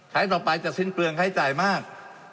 ต่อไปจะสิ้นเปลืองใช้จ่ายมาก